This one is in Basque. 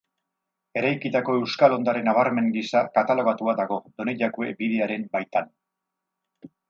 Eraikitako euskal ondare nabarmen gisa katalogatua dago, Donejakue bidearen baitan.